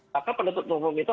maka penduduk umum itu